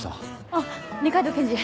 あっ二階堂検事。